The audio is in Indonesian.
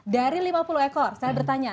dari lima puluh ekor saya bertanya